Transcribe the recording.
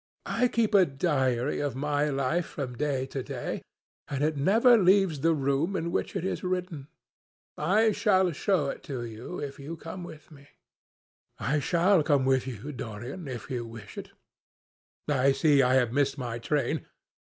"I keep a diary of my life from day to day, and it never leaves the room in which it is written. I shall show it to you if you come with me." "I shall come with you, Dorian, if you wish it. I see I have missed my train.